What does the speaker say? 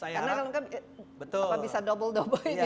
karena kan bisa double double